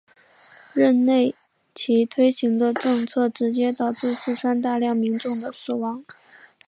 任内其推行的政策直接导致四川大量民众的死亡。